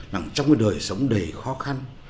là trong đời sống đầy khó khăn